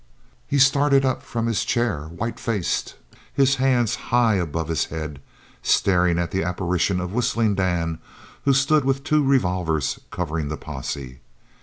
He started up from his chair, white faced, his hands high above his head, staring at the apparition of Whistling Dan, who stood with two revolvers covering the posse.